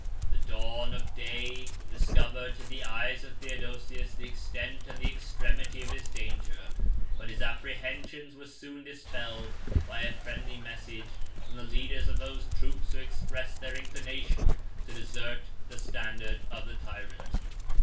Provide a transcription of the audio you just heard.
The dawn of day discovered to the eyes of Theodosius the extent and the extremity of his danger; but his apprehensions were soon dispelled, by a friendly message from the leaders of those troops who expressed their inclination to desert the standard of the tyrant.